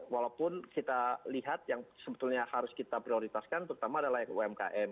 walaupun kita lihat yang sebetulnya harus kita prioritaskan terutama adalah umkm